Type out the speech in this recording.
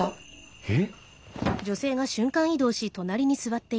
えっ？